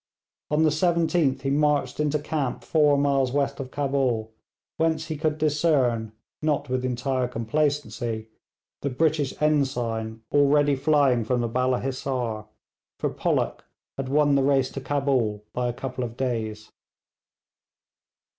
On the 17th he marched into camp four miles west of Cabul, whence he could discern, not with entire complacency, the British ensign already flying from the Balla Hissar, for Pollock had won the race to Cabul by a couple of days.